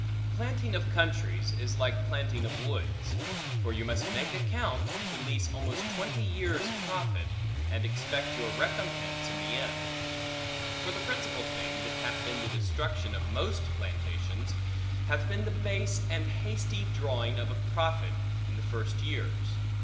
Planting of countries, is like planting of woods; for you must make account to leese almost twenty years' profit, and expect your recompense in the end. For the principal thing, that hath been the destruction of most plantations, hath been the base and hasty drawing of profit, in the first years.